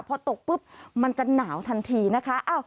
พอตกปุ๊บมันจะหนาวทันทีนะคะ